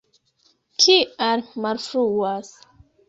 Kial malfruas?